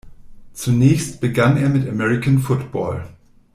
Zunächst begann er mit American Football.